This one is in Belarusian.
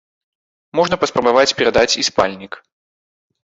Можна паспрабаваць перадаць і спальнік.